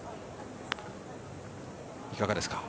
いかがですか？